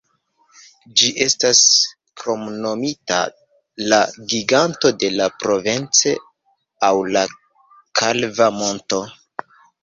Ĝi estas kromnomita la Giganto de Provence aŭ la kalva monto.